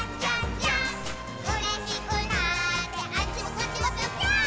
「うれしくなってあっちもこっちもぴょぴょーん」